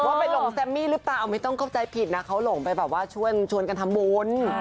ไปลงแซมมี่หรือเปล่าไม่ต้องเข้าใจผิดนะเขาหลงไปแบบว่าชวนกันทำบุญ